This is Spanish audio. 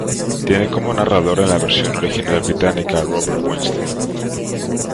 Tiene como narrador, en la versión original británica, a Robert Winston.